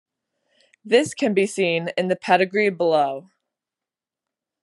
This can be seen in the pedigree below.